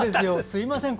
すみません。